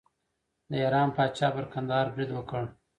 د ایران پاچا پر کندهار برید وکړ.